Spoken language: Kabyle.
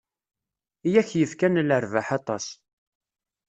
I ak-yefkan lerbayeḥ aṭas.